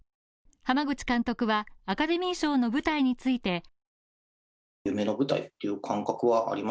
濱口監督は、アカデミー賞の舞台について